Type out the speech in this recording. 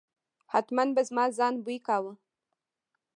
حتمآ به زما ځان بوی کاوه.